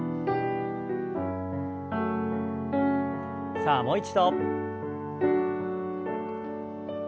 さあもう一度。